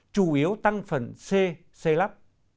chủ yếu tăng phần c c lap